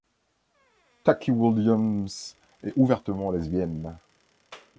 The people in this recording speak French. Tucky Williams est ouvertement lesbienne.